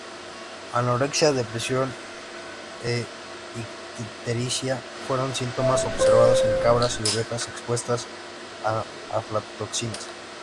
Anorexia, depresión e ictericia fueron síntomas observados en cabras y ovejas expuestas a aflatoxinas.